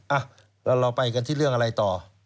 อ่ะแล้วเราไปกันที่เรื่องอะไรต่อ